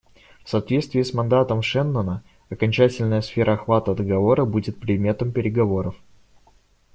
В соответствии с мандатом Шеннона окончательная сфера охвата договора будет предметом переговоров.